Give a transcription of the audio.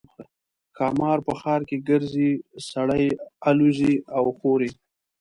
ښامار په ښار کې ګرځي سړي الوزوي او خوري.